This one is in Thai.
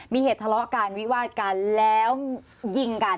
มีเหตุทะเลาะกันวิวาดกันแล้วยิงกัน